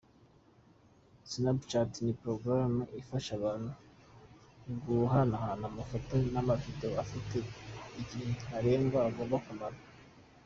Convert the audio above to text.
Snapchat ni porogaramu ifasha abantu guhanahana amafoto n’amavidewo, afite igihe ntarengwa agomba kumara.